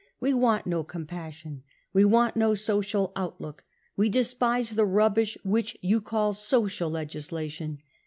We want no compassion, we want no social outlook. We despise the rubbish which you call 4 social legislation.